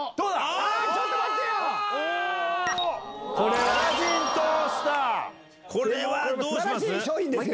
あ⁉これはどうします？